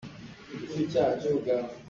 Kan thingram kan humhak hna awk a si.